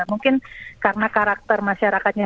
mungkin karena karakter masyarakatnya